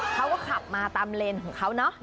เขาก็ขับมาตามเลนของเขาเนอะ